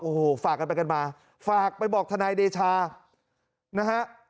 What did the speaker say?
โอ้โหฝากกันไปกันมาฝากไปบอกทนายเดชานะฮะ